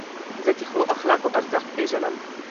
زه د ښو اخلاقو ارزښت پېژنم.